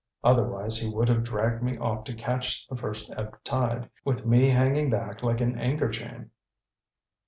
Otherwise he would have dragged me off to catch the first ebb tide, with me hanging back like an anchor chain."